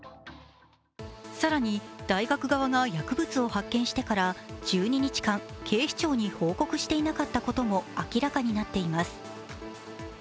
更に、大学側が薬物を発見してから１２日間警視庁に報告していなかったことも明らかになっています。